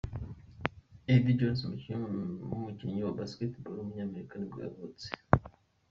Eddie Jones, umukinnyi wa Basketball w’umunyamerika nibwo yavutse.